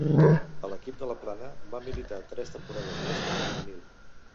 A l'equip de la Plana va militar tres temporades més, com a juvenil.